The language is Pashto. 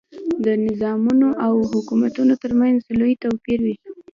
د نظامونو او حکومتونو ترمنځ لوی توپیر وي.